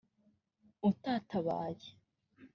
utatabaye